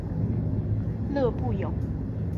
勒布永。